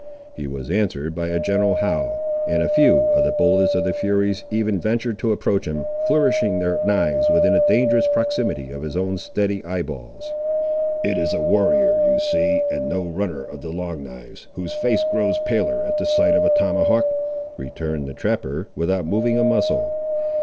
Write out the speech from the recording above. He was answered by a general howl, and a few of the boldest of the furies even ventured to approach him, flourishing their knives within a dangerous proximity of his own steady eye balls. "It is a warrior you see, and no runner of the Long knives, whose face grows paler at the sight of a tomahawk," returned the trapper, without moving a muscle.